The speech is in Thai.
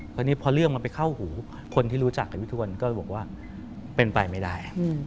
พอนี้พอเรื่องมันไปเข้าหูคนที่รู้จักกับพี่ทวนก็เลยบอกว่าเป็นไปไม่ได้